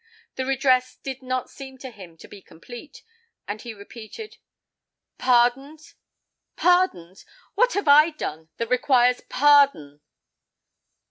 The redress did not seem to him to be complete, and he repeated, "Pardoned! pardoned! What have I done that requires pardon?"